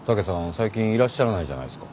最近いらっしゃらないじゃないすか。